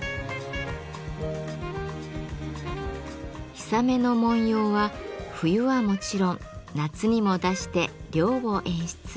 氷雨の文様は冬はもちろん夏にも出して涼を演出。